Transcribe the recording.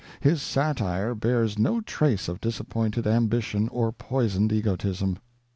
His satire bears no trace of disappointed ambition or poisoned egotism.